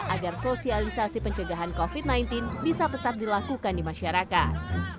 agar sosialisasi pencegahan covid sembilan belas bisa tetap dilakukan di masyarakat